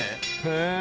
「へえ」